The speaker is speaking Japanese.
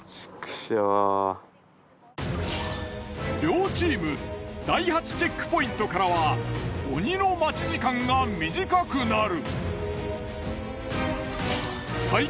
両チーム第８チェックポイントからは鬼の待ち時間が短くなる。